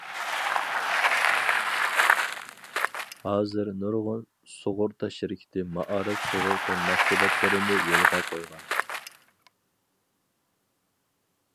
ھازىر نۇرغۇن سۇغۇرتا شىركىتى مائارىپ سۇغۇرتا مەھسۇلاتلىرىنى يولغا قويغان.